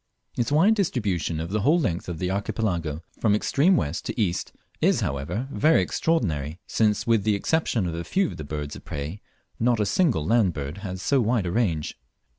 Its wide distribution over the whole length of the Archipelago; from extreme west to east, is however very extraordinary, since, with the exception of a few of the birds of prey, not a single land bird has so wide a range.